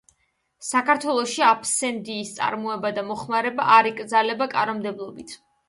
საქართველოში აბსენთის წარმოება და მოხმარება არ იკრძალება კანონმდებლობით.